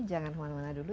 jangan huan huana dulu